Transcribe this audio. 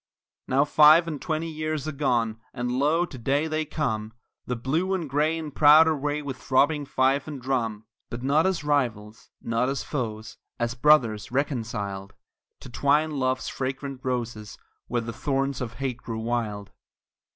Now five and twenty years are gone, and lo, to day they come, The Blue and Gray in proud array with throbbing fife and drum; But not as rivals, not as foes, as brothers reconciled, To twine love's fragrant roses where the thorns of hate grew wild.